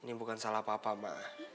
ini bukan salah papa ma